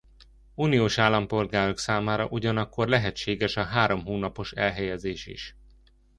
Uniós állampolgárok számára ugyanakkor lehetséges a három hónapos elhelyezés is.